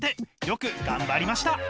よく頑張りました！